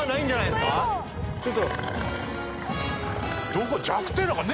どこ？